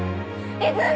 泉！